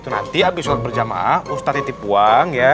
nanti abis sholat berjamaah ustadz titip uang ya